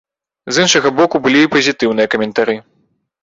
З іншага боку, былі і пазітыўныя каментары.